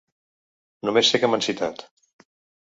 Només sé que m’han citat.